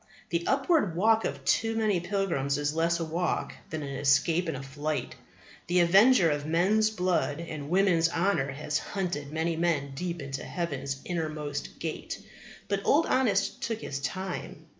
The upward walk of too many pilgrims is less a walk than an escape and a flight. The avenger of men's blood and women's honour has hunted many men deep into heaven's innermost gate. But Old Honest took his time.